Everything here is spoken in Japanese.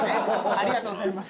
ありがとうございます。